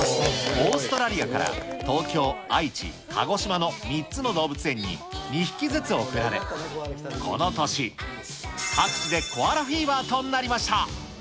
オーストラリアから東京、愛知、鹿児島の３つの動物園に、２匹ずつ贈られ、この年、各地でコアラフィーバーとなりました。